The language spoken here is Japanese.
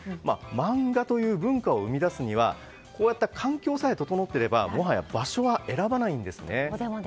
漫画という文化を生み出すには環境さえ整っていればもはや場所は選ばないんですね。